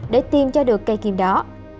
để tìm cho được cây kim đó